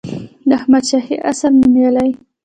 د احمدشاهي عصر نوميالي